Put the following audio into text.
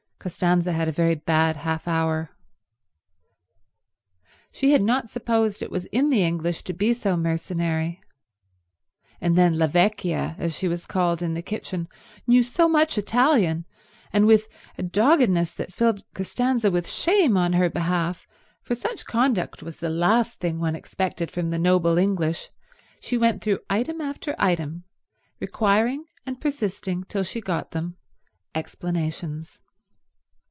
Costanza had a very bad half hour. She had not supposed it was in the English to be so mercenary. And then la Vecchia, as she was called in the kitchen, knew so much Italian, and with a doggedness that filled Costanza with shame on her behalf, for such conduct was the last one expected from the noble English, she went through item after item, requiring and persisting till she got them, explanations.